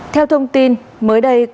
theo thông tin mới đây